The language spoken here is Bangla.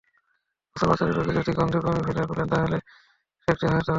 অস্ত্রোপচারের রোগী যদি গন্ধে বমি করে ফেলেন তাহলে তিনি দৃষ্টিশক্তিও হারাতে পারেন।